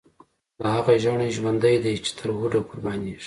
لا هغه ژڼۍ ژوندۍ دی، چی تر هوډه قربانیږی